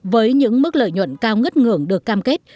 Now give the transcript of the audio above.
với những mức lợi nhuận cao ngất ngưỡng được cam kết